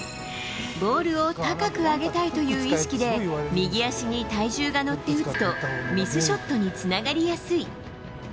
ボールを高く上げたいという意識で右足に体重が乗って打つと、ミスショットにつながりやすい。